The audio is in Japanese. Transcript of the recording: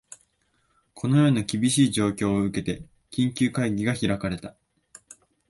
このような厳しい状況を受けて、緊急会議が開かれた